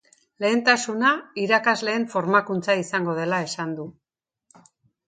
Lehentasuna irakasleen formakuntza izango dela esan du.